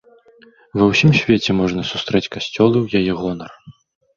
Ва ўсім свеце, можна сустрэць касцёлы ў яе гонар.